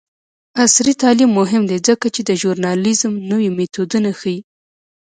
عصري تعلیم مهم دی ځکه چې د ژورنالیزم نوې میتودونه ښيي.